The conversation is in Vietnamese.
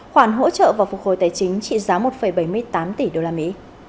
khoản hỗ trợ và phục hồi tài chính trị giá một bảy mươi tám tỷ đô la mỹ